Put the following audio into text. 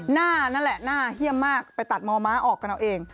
หน้านั่นแหละหน้าเฮี่ยมมากไปตัดมอม้าออกกันเอาเอง